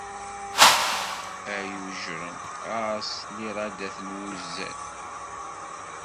Ay ujren, ɣers liṛadet n wuzzal.